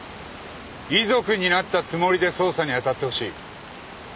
遺族になったつもりで捜査に当たってほしい。